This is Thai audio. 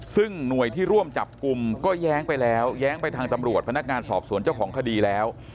ซึ่งหน่วยที่ร่วมจับกลุ่มก็แย้งไปแล้วแย้งไปทางตำรวจพนักงานสอบสวนเจ้าของคดีแล้ว